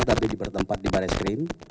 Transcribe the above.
tapi di bertempat di baris krim